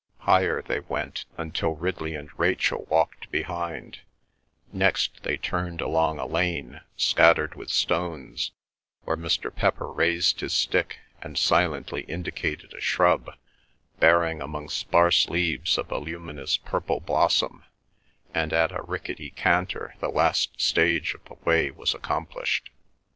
Higher they went, until Ridley and Rachel walked behind; next they turned along a lane scattered with stones, where Mr. Pepper raised his stick and silently indicated a shrub, bearing among sparse leaves a voluminous purple blossom; and at a rickety canter the last stage of the way was accomplished.